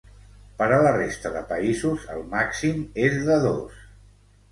Per a la resta de països el màxim és de dos.